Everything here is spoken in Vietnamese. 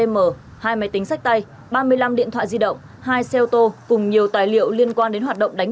m hai máy tính sách tay ba mươi năm điện thoại di động hai xe ô tô cùng nhiều tài liệu liên quan đến hoạt động đánh